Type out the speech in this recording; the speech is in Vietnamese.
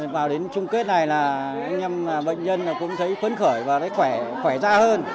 vào đến trung kết này là anh em bệnh nhân cũng thấy phấn khởi và khỏe ra hơn